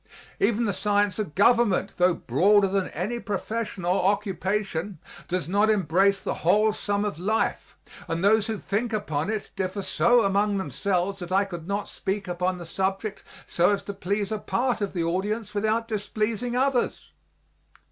Even the science of government, tho broader than any profession or occupation, does not embrace the whole sum of life, and those who think upon it differ so among themselves that I could not speak upon the subject so as to please a part of the audience without displeasing others.